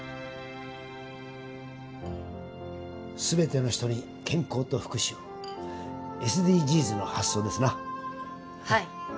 すべての人に健康と福祉をＳＤＧｓの発想ですなはい